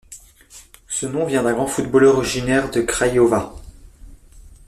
Ce nom vient d'un grand footballeur originaire de Craiova.